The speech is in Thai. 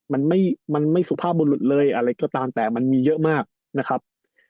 มันไม่สุภาพบุรุษเลยอะไรก็ตามแต่มันมีเยอะมากนะครับ